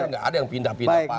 nggak ada yang pindah pindah pak